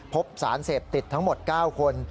พบสารเสพติดทั้งหมด๙คน